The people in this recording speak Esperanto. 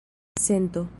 sento